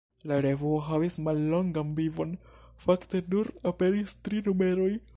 La revuo havis mallongan vivon: fakte nur aperis tri numeroj.